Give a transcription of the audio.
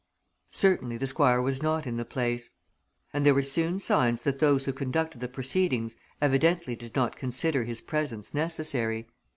Certainly the Squire was not in the place. And there were soon signs that those who conducted the proceedings evidently did not consider his presence necessary.